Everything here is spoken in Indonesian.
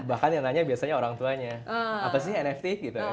bahkan yang nanya biasanya orang tuanya apa sih nft gitu